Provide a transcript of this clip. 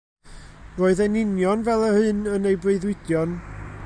Roedd e'n union fel yr un yn ei breuddwydion.